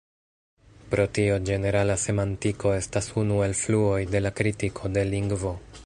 Pro tio ĝenerala semantiko estas unu el fluoj de la kritiko de lingvo.